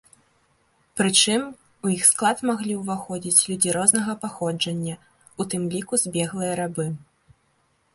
Прычым, у іх склад маглі ўваходзіць людзі рознага паходжання, у тым ліку збеглыя рабы.